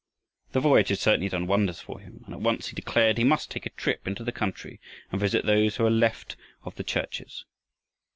The voyage had certainly done wonders for him, and at once he declared he must take a trip into the country and visit those who were left of the churches.